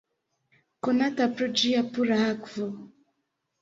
Konata pro ĝia pura akvo.